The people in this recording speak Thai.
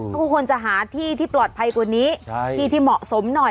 ก็ควรจะหาที่ที่ปลอดภัยกว่านี้ที่ที่เหมาะสมหน่อย